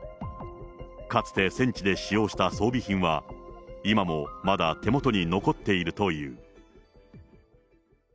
かつて戦地で使用した装備品は、今もまだ手もとに残っているという。